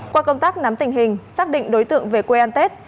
qua công tác nắm tình hình xác định đối tượng về quê an tết